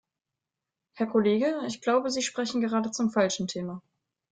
Herr Kollege, ich glaube, Sie sprechen gerade zum falschen Thema.